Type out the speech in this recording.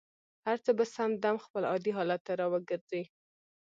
هر څه به سم دم خپل عادي حالت ته را وګرځي.